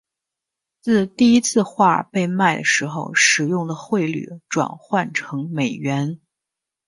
自第一次画被卖的时候使用的汇率转换成美元。